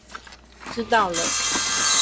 知道了